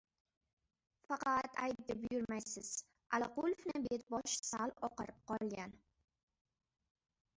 — Faqat aybga buyurmaysiz, Aliqulovni bet-boshi sal oqarib qolgan.